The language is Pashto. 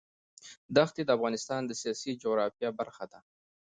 دښتې د افغانستان د سیاسي جغرافیه برخه ده.